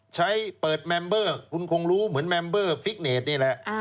เปิดแมมเบอร์คุณคงรู้เหมือนแมมเบอร์ฟิกเนตนี่แหละ